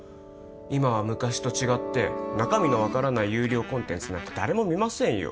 今は昔と違って中身の分からない有料コンテンツなんて誰も見ませんよ